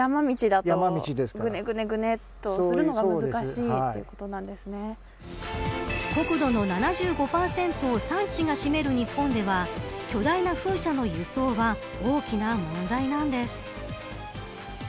さらに。国土の７５％を山地が占める日本では巨大な風車の輸送は大きな問題なんです。